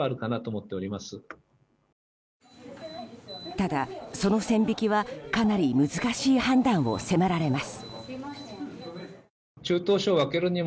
ただ、その線引きはかなり難しい判断を迫られます。